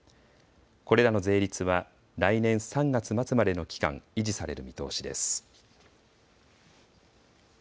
これらの税率は来年３月末までの期間、維持される見通しです。